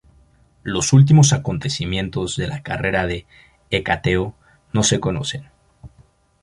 Los últimos acontecimientos de la carrera de Hecateo no se conocen.